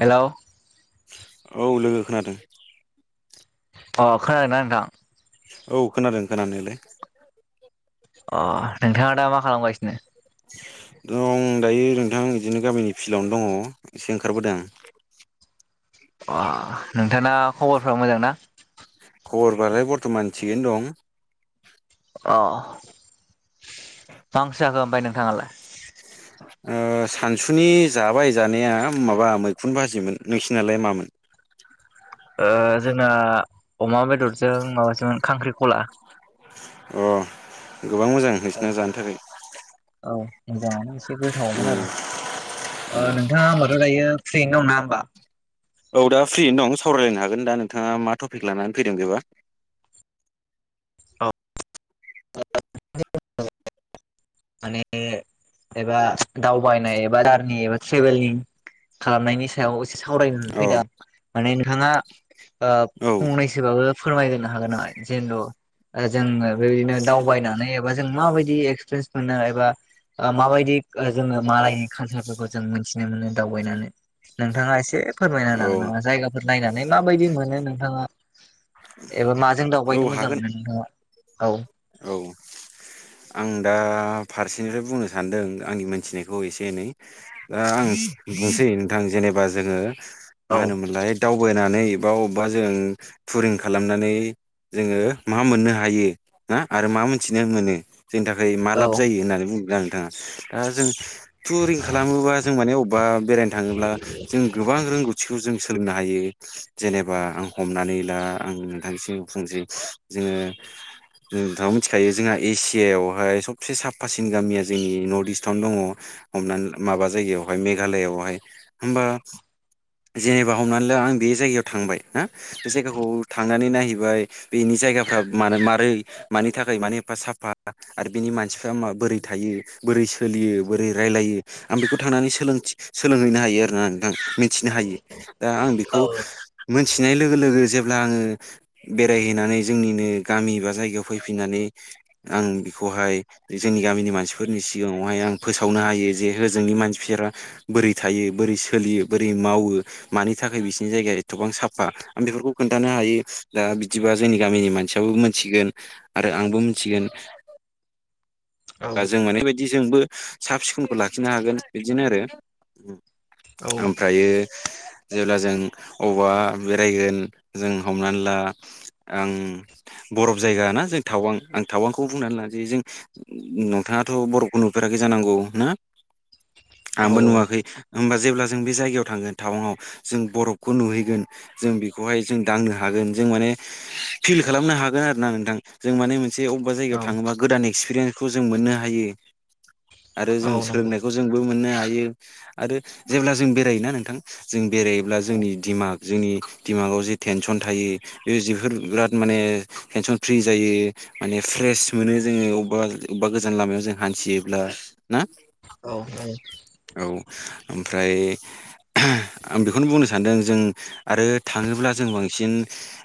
हेल' औ लोगो खोनादों अ खोनादोंना नोंथां औ खोनादों खोनायालाय अ नोंथाङा दा मा खालामगासिनो दं दायो नोंथां बिदिनो गामिनि फिल्डआवनो दङ एसे ओंखारबोदों आं अ नोंथाङा खबरफ्रा मोजां ना खबरबालाय बरथ'मान थिगैनो दं अ मा ओंख्रि जाखो ओमफ्राय नोंथाङालाय ओ सानसुनि जाबाय जानाया माबा मैखुन भाजिमोन नोंसिनालाय मामोन [inaudible] ओ जोंना अमा बेदरजों माबाजों खांख्रि खला अ गोबां मोजां औ नोंसिना जानो थाखाय औ मोजाङानो एसे गोथावमोन आरो नोंथाङा होमबाथ' दायो फ्रियैनो दंना होमबा औ दा फ्रिनो दं सावरायलायनो हागोन दा नोंथाङा मा टपिक लानानै फैदों बेबा औ [unintelligible] माने एबा दावबायनाय एबा जारनि एबा ट्रेभेलनि खालामनायनि सायाव एसे सावराय औ फैदों माने नोंथाङा औ फंनैसोबाबो फोरमायग्रो हागोन नामा जेनथु जोङो बेबायदिनो दावबायनानै एबा जों माबायदि एक्सपिरियेन्स मोनो एबा माबायदि जोङो मालायनि कालसारफोरखौ जों मिथिनो मोनो दावबायनानै नोंथाङा एसे फोरमायनो औ हागोन नामा जायगाफोर नायनानै माबायदि मोनो नोंथाङा एबा माजों औ दावबायनो मोजां हागोन मोनो नोंथाङा औ औ आं दा फारसेनिफ्राय बुंनो सानदों आंनि मोनथिनायखौ एसे एनै दा आं बुंसै नोंथां जेनेबा जोङो मा औ होनोमोनलाय दावबायनानै बा अबेबा जों टुरिं खालामनानै जोङो मा मोननो हायो ना आरो मा मोनथिनो मोनो जोंनि थाखाय मा औ लाब जायो होननानै बुंदोंना नोंथाङा दा जों टुरिं खालामोबा जों माने अबेबा बेरायनो थाङोब्ला जों गोबां रोंगौथिखौ जों सोलोंनो हायो जेनेबा आं हमनानै ला आं नोंथांनिसिम बुंनोसै जोङो [inaudible] नोंथाङा मिथिखायो जोंहा एसियायावहाय सबसे साफासिन गामिया जोंनि नर्थ इस्टआवनो दङ हमनानै माबा जायगायावहाय मेघालयआवहाय होमबा जेनेबा हमनानै ला आं बे जायगायाव थांबाय ना बे जायगाखौ थांनानै नायहैबाय बेनि जायगाफ्रा मानो मारै मानि थाखाय मानो एफा साफा आरो बिनि मानसिफ्रा मा बोरै थायो बोरै सोलियो बोरै राय- लायो आं बेखौ थांनानै सोलोंहैनो हायो आरोना नोंथां मिनथिनो हायो दा आं औ बेखौ मोनथिनाय लोगो लोगो जेब्ला आङो बेरायहैनानै जोंनिनो गामि बा जायगायाव फैफिननानै आं बेखौहाय जोंनि गामिनि मानसिफोरनि सिगाङावहाय आं फोसावनो हायो जे होजोंनि मानसिफोरा बोरै थायो बोरै सोलियो बोरै मावो मानि थाखाय बिसिरनि जाय- गाया एथ'बां साफा आं बेफोरखौ खोन्थानो हायो दा बिदिबा जोंनि गामिनि मानसियाबो मोनथिगोन आरो आंबो मोनथिगोन बा जों माने बेबायदि जोंबो साब सिखोनखौ लाखिनो हागोन बिदिनो आरो औ ओमफ्रायो जेब्ला जों अबावबा बेरायगोन जों हमनानै ला आं बरफ जायगा ना जों थावां आं टावांखौनो बुंनानै लानोसै जों नोंथाङाथ' बर'फखौ नुफेराखै जानांगौ ना [inaudible] आंबो नुवाखै होमबा जेब्ला जों बे जायगायाव थांगोन टावांङाव जों बरफखौ नुहैगोन जों बे खौहाय जों दांनो हागोन जों माने फिल खालामनो हागोन आरोना नोंथों जों माने मोनसे अबेबा जायगायाव औ थाङोबा गोदान एक्सपिरियेन्सखौ जों मोननो हायो आरो औ जों नंगौ सोलोंनायखौ जोंबो मोननो हायो आरो जेब्ला जों बेरायोना नोंथां जों बेरायोब्ला औ जोंनि दिमाग जोंनि दिमागाव जि टेनसन थायो बेयो बिफोर बिराद माने टेनसन फ्रि जायो माने फ्रेस मोनो जोङो अबेबा अबेबा गोजान लामायाव जों हान्थियोब्ला ना औ औ ओमफ्राय [inaudible] आं बेखौनो बुंनो सानदों जों आरो थाङोब्ला जों बांसिन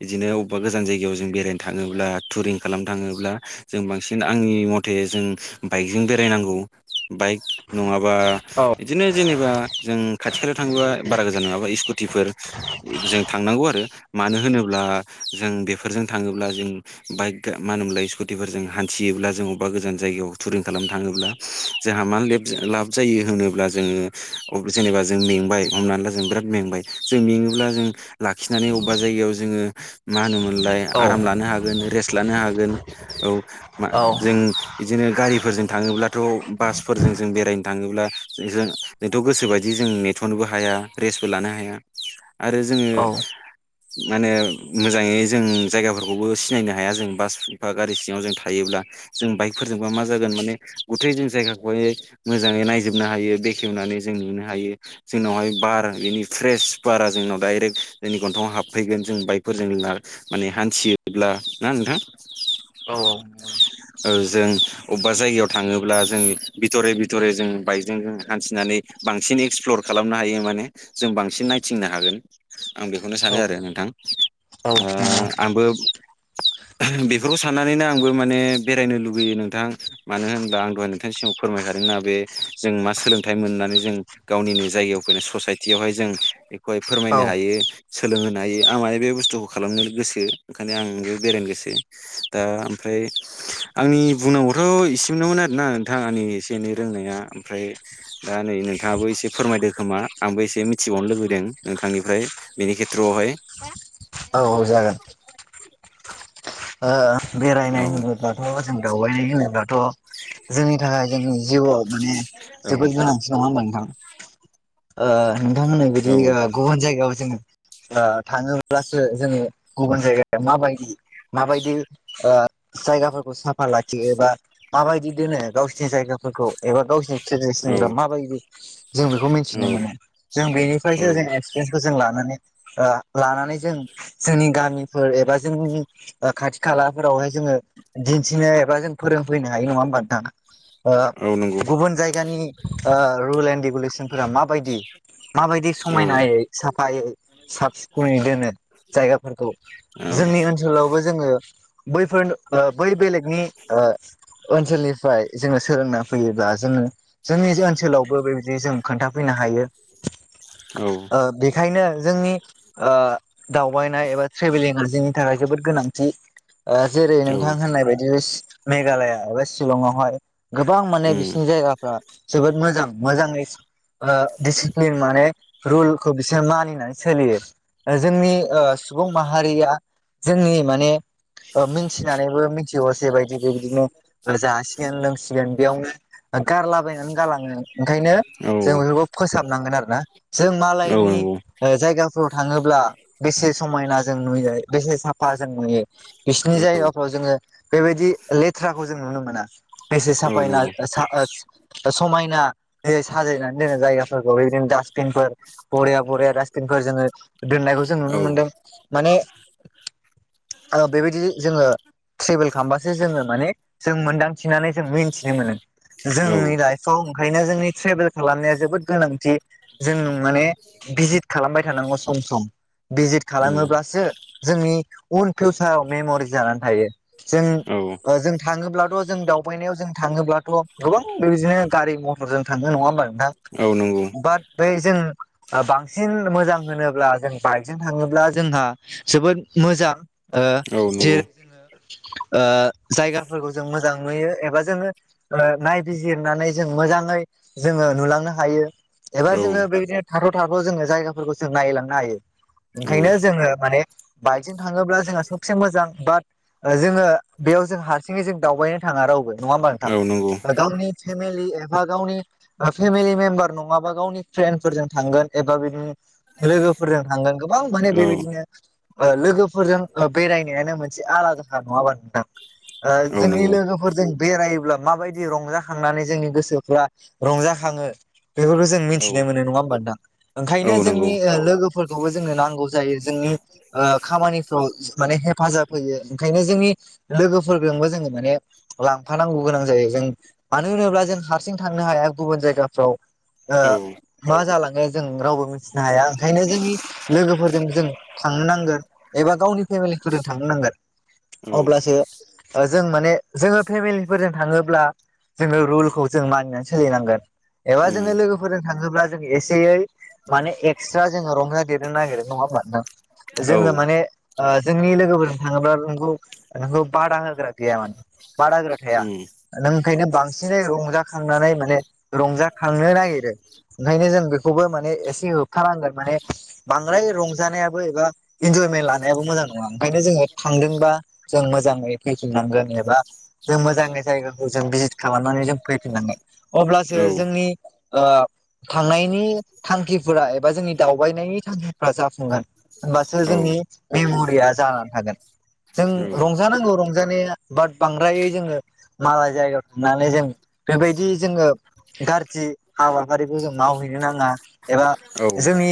बिदिनो अबेबा गोजान जायगायाव जों जों बेरायनो थाङोब्ला टुरिं खालामनो थाङोब्ला जों बांसिन आंनि मथ- थे जों बाइकजों बेरायनांगौ बाइक नङा- बा औ बिदिनो जेनेबा जों खाथि खालायाव थाङोबा बारा गोजान नङाबा स्कुटिफोर जों थांनांगौ आरो मानो होनोब्ला जों बेफोरजों थाङोब्ला जों बाइक मा होनोमोनलाय स्कुटिफोरजों हान्थियोब्ला जों अबेबा गोजान जायगायाव टुरिं खालामनो थाङोब्ला जोंहा मानो लेब लाब जायो होनोब्ला जोङो जेनेबा जों मेंबाय हमनानै ला जों बिराद मेंबाय जों मेङोब्ला जों लाखिनानै अबेबा जायगायाव जोङो मा होनोमोनलाय औ आराम लानो हागोन रेस्ट लानो हागोन औ औ इदिनो गा गारिफोरजों थाङोब्लाथ' बासफोरजों जों बेरायनो थाङोब्ला जों जों जोंथ' गोसोबायदि जों नेथ' नोबो हाया रेस्टबो लानो हाया आरो जोङो माने मोजाङै जों जायगाफोरखौबो सिनायनो हाया जों बास बा गारि सिङाव जों थायोब्ला जों बाइकफोरजोंबा मा जागोन माने गथै जों जायगाखौहाय मोजाङै नायजोबनो हायो बेखेवनानै जों नुनो हायो जोंनावहाय बार बेनि फ्रेस बारा जोंनाव डाइरेक्ट जोंनि गन्थंङाव हाबफैगोन जों बाइकफोरजों माने हान्थियोब्ला ना नोंथां औ जों अबबा जायगायाव थाङोब्ला जों बिथरै बिथरै जों बाइकजों जों हान्थिनानै बांसिन एक्सप्लर खालामनो हायो माने जों बांसिन नायथिंनो हागोन आं बेखौनो सानो औ नंगौ आरो नोंथां ओ आंबो बेफोरखौ साननानैनो आंबो माने बेरायनो लुुबैयो नोंथां मानो होनबा आं दहाय नोंथांनि सिगाङाव फोरमायखादों ना बे जों मा सोलोंथाइ मोननानै म जों गावनिनो जायगायाव फैनो ससाइटियावहाय जों बेखौहाय औ फोरमायनो हायो सोलोंहोनो हायो आं माने बे बुस्थुखौ खालामनो गोसो ओंखायनो आंबो बेरायनो गोसो दा ओमफ्राय [inaudible] आंनि बुंनांगौथ' इसेमोननोमोन आरोना नोंथां आंनि एसे एनै रोंनाया ओमफ्राय दा नै नोंथाङाबो एसे फोरमायदो खोमा आंबो एसे मिथिबावनो लुबैदों नोंथांनिफ्राय बिनि खेथ्रआवहाय औ जागोन [unintelligible] ओ औ बेरायनाय होनोब्लाथ' जों दावबायनाय होनोब्ला थ' जोंनि थाखाय जोंनि जिउआव माने औ जोबोद गोनांथि नङा होमबा नोंथां ओ नोंथांमोननाय औ बिदि गुबुन जायगायाव जोङो थाङोब्लासो जोंनि गुबुन जायगाया माबायदि माबायदि जायगाफोरखौ साफा लाखियो एबा माबायदि दोनो गावसिनि जायगाफोरखौ एबा गावसोरनि औ माबायदि जों बेखौ मिथिनो मोनो औ जों बेनिफ्रायसो औ जों एक्सपिरियेस जों लानानै ओ लानानै जों जोंनि गामिफोर एबा जोंनि खाथि खालाफोरावहाय जोङो दिन्थिनो एबा जों फोरोंफैनो हायो नङा होमबा नोंथाङा ओ औ नंगौ गुबुन जायगानि ओ रुल एन्ड रेगुलेसनफोरा माबायदि माबायदि औ समायनायै साफायै साफ सिखोनै दोनो जायगाफोरखौ औ जोंनि ओनसोलावबो जोङो बैफोर बै बेलेगनि ओनसोलनिफ्राय जोङो सोलोंना फैयोब्ला जोङो जोंनि ओनसोलावबो बेबायदि जों खोन्थाफैनो हायो औ ओ बेखायनो जोंनि ओ दावबायनाय एबा ट्रेभेलिंआ जोंनि थाखाय जोबोद गोनांथि। ओ जेरै औ नोंथां होननाय बायदि सि मेघालया बा शिलंआवहाय गोबां माने उम बिसिनि जायगाफ्रा जोबोद मोजां। मोजाङै ओ दिसिप्लिन माने रुलखो बिसोरो मानिनानै सोलियो। जोंनि ओ सुबुं माहारिया जोंनि माने ओ मिनथिनानैबो मिनथियै असे बायदि बेबिदिनो ओ जासिगोन लोंसिगोन बेयावनो गारलाबायनानै गालाङो। ओंखायनो औ जों बेफोरखौ फोसाबनांगोन आरो ना। जों औ मालायनि नंगौ ओ जायगा फ्राव थाङोब्ला बेसे समायना जों नुयो बेसे साफा जों नुयो बिसिनि औ जायगाफ्राव जोङो बेबायदि लेथ्राखौ जों नुनो मोना। बेसे औ साफायै ना नंगौ ओ सा ओस ओ समायनायै साजायनानै दोनो जायगाफोरखौ। बेबिदिनो डास्टबिनफोर बरिया बरिया रासटबिन फोर जोङो दोननायखौ जों औ नुनो मोनदों। माने ओ बेबायदि जोङो ट्रेभेल खामबासो जोङो माने जों मोनदांथिनानै जों मिन्थिनो मोनो। औ जोंनि लाइफआव ओंखायनो जोंनि ट्रेभेल खालामनाया जोबोद गोनांथि। जोंनुं माने भिजित खालामबाय थानांगौ सम सम। भिजित उम खालामोब्लासो जोंनि उन फिउसाराव मेमरिस जानानै थायो। जों औ ओ जों थाङोब्लाथ' जों दावबायनायाव जों थाङोब्लाथ' गोबां बेबायदिनो गारि मथरजों थांनो नङा होमबा नोंथां। औ नंगौ बाट बै जों ओ बांसिन मोजां होनोब्ला जों बाइकजों थाङोब्ला जोंहा जोबोद मोजां ओ औ नंगौ जेरै जोङो ओ जायगाफोरखौ जों मोजां नुयो एबा जोङो ओ नायबिजिरनानै जों मोजाङै जोङो नुलांनो हायो। एबा औ जोङो बेबादिनो थाथ' थाथ' जोङो जायगाफोरखौ जों नायलांनो हायो। औ ओंखायनो जोङो माने बाइकजों थाङोब्ला जोंहा सबसे मोजां बाट जोङो बेयाव जों हारसिङै जों दावबायनो थाङा रावबो। नङा होमबा नोंथां? औ नंगौ ओ गावनि फेमेलि एबा गावनि ओ फेमिलि मेम्बार नङाबा गावनि फ्रेन्डफोरजों थां गोन एबा बिदिनो लोगोफोरजों थांगोन गोबां माने औ बेबायदिनो ओ लोगोफोरजों ओ बेरायनायानो मोनसे आलादाखा। नङा होमबा नोंथां? ओ औ जोंनि नंगौ लोगोफोरजों बेरायोब्ला माबायदि रंजाखांनानै जोंनि गोसोफ्रा रंजा खाङो। बेफोरखौ जों औ मिन्थिनो मोनो। नङा होमबा नोंथां? औ ओंखायनो नंगौ जोंनि ओ लोगोफोरखौबो जोंनो नांगौ जायो जों उम ओ खामानि फ्राव माने हेफाजाब होयो। ओंखायनो जोंनि लोगोफोरजोंबो जोङो माने लांफानांगौ गोनां जायो जों। मानो होनोब्ला जों हारसिं थांनो हाया गुबुन जायगाफ्राव। ओ औ। मा जालाङो जों रावबो मिनथिनो हाया ओंखायनो जोंनि लोगोफोरजों जों थांनो नांगोन। एबा गावनि फेमिलिफोरजों थांनो नांगोन। औ अब्लासो ओ जों माने जोङो फेमिलिफोरजों थाङोब्ला जोङो रुलखौ जों मानिनानै सोलिनांगोन एबा उम जोङो लोगोफोरजों थाङोब्ला जों एसेयै माने एकस्रा जोङो रंजा देरनो नागिरो। नङा होमबा नोंथां? औ उम औ जोङो औ माने ओ जोंनि लोगोफोरजों थाङोब्ला नोंखौ नोंखौ बादा होग्रा गैया माने। बादा होग्रा थाया। नों ओंखायनो बांसिनै रंजाखांनानै माने रंजाखांनो नागिरो। ओंखायनो जों बेखौबो माने एसे होबथानांगोन माने बांद्राय रंजानायाबो एबा इन्जयमेला नायाबो मोजां नङा ओंखायनो जोङो थांदोंबा जों मोजाङै फैफिनांगोन एबा जों मोजाङै जायगाखौ जों भिजिद खालामनानै जों फैफिन नांगोन अब्लासो औ जोंनि ओ थांनाय नायनि थांखिफोरा एबा जोंनि दावबायनायनि थांखिफोरा जाफुंगोन होमबासो जोंनि मेमरिया जानानै थागोन जों रंजानांगौ रंजानाया बाट बांद्रायै जोङो मालाय जायगायाव थांनानै जों बेबायदि जोङो गाज्रि हाबाफारिखौ जों मावहैनो नाङा एबा जोंनि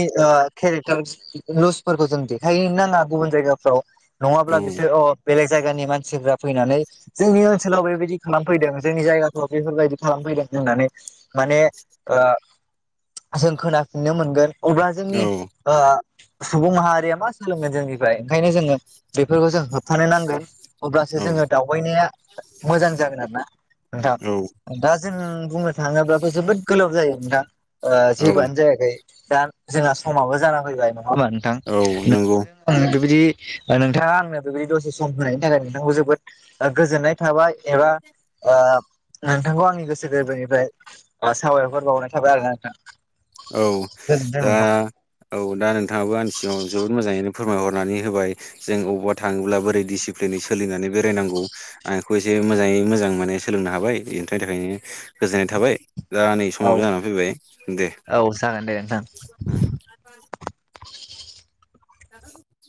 केरेक्टार खौ लसफोरखौ देखाय हैनो नङा गुबुन जायगाफ्राव नङाब्ला बिसोर बेलेग जायगानि मानसिफ्रा फैनानै जोंनि ओनसोलाव बेबायदि खालाम फैदों जोंनि जायगाफ्राव बेफोरबायदि खालामफैदों होननानै माने जों खोनाफिननो मोनगोन अब्ला जोंनि औ सुबुं माहारिया मा सोंलोंगोन जोंनि फ्रायनो जोङो बेफोरखौ जों होबथानो नांगोन अब्लासो जोङो दावनाया मोजां जागोन आरोना नोंथां औ दा जों बुंनो थाङोबाबो जोबोद गोलाव जायो दा औ जेबोआनो जायाखै दा जोंहा समाबो जाना फैबाय नङा होमबा नोंथां औ नों नंगौ आङो बेबायदि नोंथाङा आंनो बेबायदि दसे सम होनायनि थाखाय नोंथांखौ जोबोद गोजोननाय थाबाय एबा ओ नोंथांखौ आंनि गोसो गोरबोनिफ्राय सावाय हर बावनाय थाबाय आरो ना नोंथां औ गोजोन्थों दा नोंथां। औ दा नोंथाङाबो आंनि सिङाव जोबोद मोजाङैनो फोरमायहरनानै होबाय जों अबावबा थाङोब्ला बोरै डिसिप्लिनै सोलिनानै बेरायनांगौ आं बेखौ एसे बे मोजाङै मोजां माने सोलोंनो हाबाय बेनि थाखायनो गोजोननाय थाबाय दा नै औ समाव जानानै फैबाय दे औ जागोन दे नोंथां। [inaudible]